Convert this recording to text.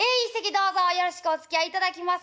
どうぞよろしくおつきあいいただきますが。